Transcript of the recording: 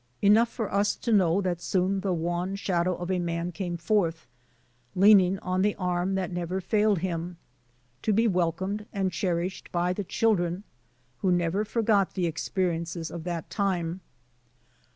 Enough for us to know that soon the wan shadow of a man came forth, leaning on the arm that never failed him, to be welcomed and cherished by the children, who never forgot the experiences of that time.